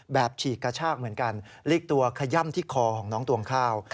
ฉีกกระชากเหมือนกันลีกตัวขย่ำที่คอของน้องตวงข้าว